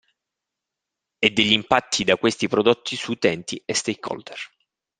E degli impatti da questi prodotti su utenti e stakeholder.